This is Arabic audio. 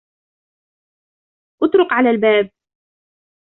أطرق على الباب.